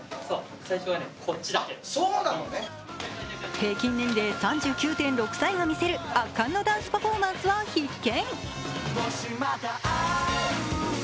平均年齢３９．６歳が見せる圧巻のダンスパフォーマンスは必見。